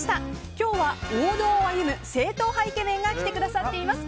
今日は王道を歩む正統派イケメンが来てくださっています。